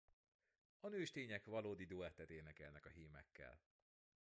A nőstények valódi duettet énekelnek a hímekkel.